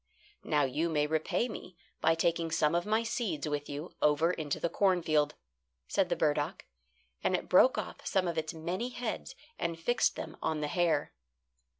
"Now you may repay me by taking some of my seeds with you over into the cornfield," said the burdock; and it broke off some of its many heads and fixed them on the hare.